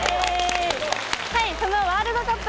そのワールドカップ